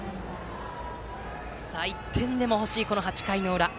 １点でも欲しい８回の裏。